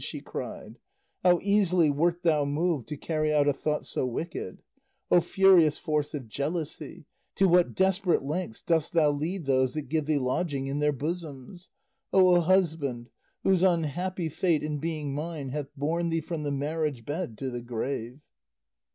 she cried, "how easily wert thou moved to carry out a thought so wicked! O furious force of jealousy, to what desperate lengths dost thou lead those that give thee lodging in their bosoms! O husband, whose unhappy fate in being mine hath borne thee from the marriage bed to the grave!"